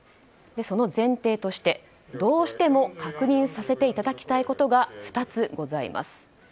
その前提としてどうしても確認させていただきたいことが２つございます。